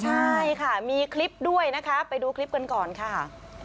ใช่ค่ะมีคลิปด้วยนะคะไปดูคลิปกันก่อนค่ะ